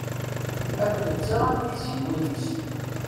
Am netta am tiziyin-is.